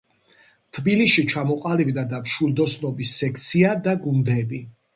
თბილისში ჩამოყალიბდა და მშვილდოსნობის სექცია და გუნდები.